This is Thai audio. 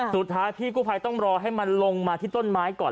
สุดท้ายพี่กู้ภัยต้องรอให้มันลงมาที่ต้นไม้ก่อน